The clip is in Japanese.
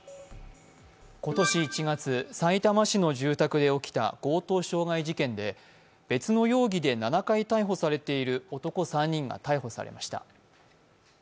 今年１月、さいたま市の住宅で起きた強盗傷害事件で別の容疑で７回逮捕されている男３人が逮捕されました。